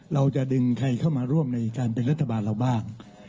เราจะดึงใครเข้ามาร่วมในการเป็นรัฐบาลเราบ้าง